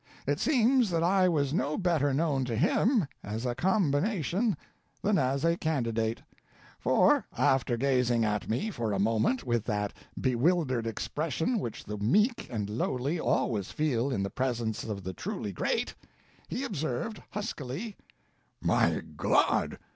It seems that I was no better known to him as a combination than as a candidate, for, after gazing at me for a moment with that bewildered expression which the meek and lowly always feel in the presence of the truly great, he observed, huskily: 'My God!